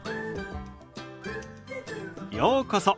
ようこそ。